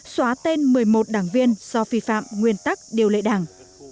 xóa tên một mươi một đảng viên do vi phạm nguyên tắc điều lệ đảng